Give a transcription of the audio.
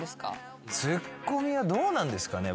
ツッコミはどうなんですかね？